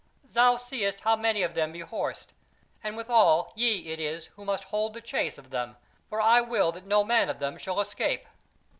Thou seest how many of them be horsed, and withal ye it is who must hold the chase of them; for I will that no man of them shall escape."